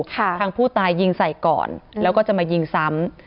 ทางผู้ตายยิงใส่ก่อนแล้วก็จะมายิงซ้ำ